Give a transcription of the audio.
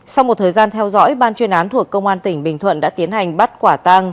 sau một thời gian theo dõi ban chuyên án thuộc công an tỉnh bình thuận đã tiến hành bắt quả tang